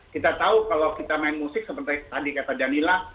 kita tahu kalau kita main musik seperti tadi kata danila